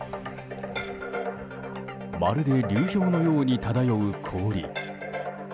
まるで流氷のように漂う氷。